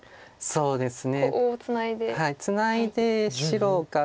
そうですね。